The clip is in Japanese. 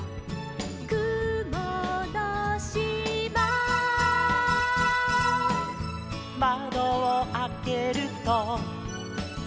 「くものしま」「まどをあけると」